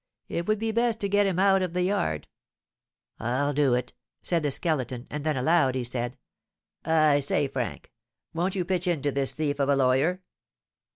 It would be best to get him out of the yard." "I'll do it," said the Skeleton; and then aloud he said, "I say, Frank, won't you pitch into this thief of a lawyer?"